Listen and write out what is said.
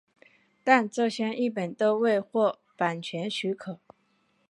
但这些译本都未获版权许可。